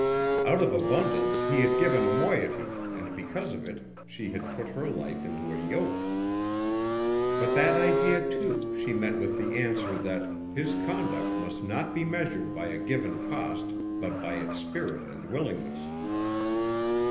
Out of abundance he had given a moiety and because of it she had put her life into a yoke. But that idea, too, she met with the answer that his conduct must not be measured by a given cost but by its spirit and willingness.